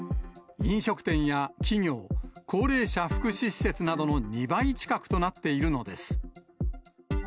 飲食店や企業、高齢者福祉施設などの２倍近くとなっているのです。